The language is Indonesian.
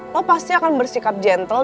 lo pasti akan bersikap gentle